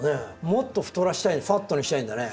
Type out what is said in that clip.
もっと太らせたいファットにしたいんだね。